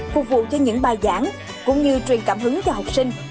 phục vụ cho những bài giảng cũng như truyền cảm hứng cho học sinh